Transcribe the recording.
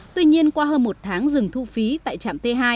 tuy nhiên qua hơn một tháng dừng thu phí tại trạm t hai